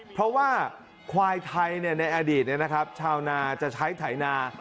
เพราะว่าควายไทยในอดีตชาวนาจะใช้ไถนา